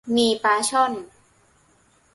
มีปลาช่อน